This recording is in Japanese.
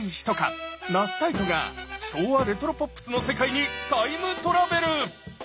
那須泰斗が昭和レトロポップスの世界にタイムトラベル！